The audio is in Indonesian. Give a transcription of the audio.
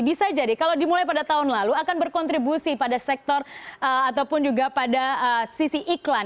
bisa jadi kalau dimulai pada tahun lalu akan berkontribusi pada sektor ataupun juga pada sisi iklan